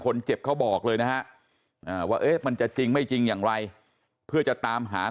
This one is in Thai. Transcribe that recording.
เขาบอกเลยนะฮะว่ามันจะจริงไม่จริงอย่างไรเพื่อจะตามหา